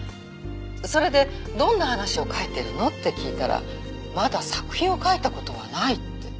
それでどんな話を書いてるの？って聞いたらまだ作品を書いた事はないって。